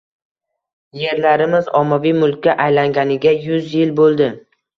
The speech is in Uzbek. Yerlarimiz ommaviy mulkka aylanganiga yuz yil bo‘ldi